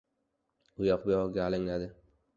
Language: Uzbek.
Uyoq-buyog‘iga alangladi.